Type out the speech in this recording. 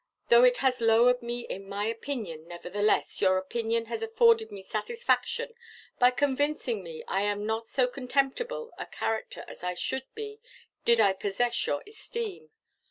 Though it has lowered me in my opinion, nevertheless your letter has afforded me satisfaction by convincing me I am not so contemptible a character as I should be did I possess your esteem.